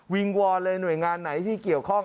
วอนเลยหน่วยงานไหนที่เกี่ยวข้อง